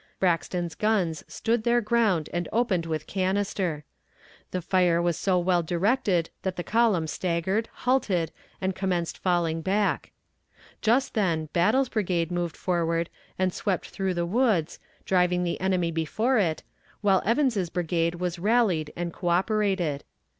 Braxton's guns stood their ground and opened with canister. The fire was so well directed that the column staggered, halted, and commenced falling back. Just then Battle's brigade moved forward and swept through the woods, driving the enemy before it, while Evans's brigade was rallied and coöperated.